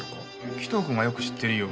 紀藤君がよく知ってるよ。